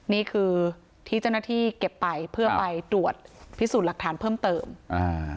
นี่คือที่เจ้าหน้าที่เก็บไปเพื่อไปตรวจพิสูจน์หลักฐานเพิ่มเติมอ่า